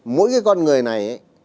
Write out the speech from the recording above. mỗi cái con người này